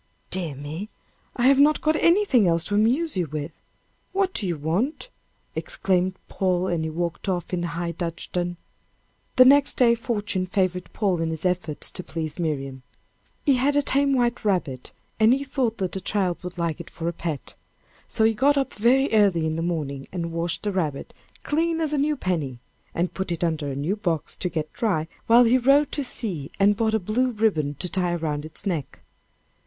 "Dear me! I have not got anything else to amuse you with. What do you want?" exclaimed Paul, and he walked off in high dudgeon. The next day fortune favored Paul in his efforts to please Miriam. He had a tame white rabbit, and he thought that the child would like it for a pet so he got up very early in the morning, and washed the rabbit "clean as a new penny," and put it under a new box to get dry while he rode to C and bought a blue ribbon to tie around its neck.